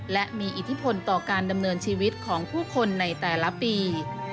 และมีอิทธิพลต่อการดำเนินชีวิตของผู้คนในแต่ละปี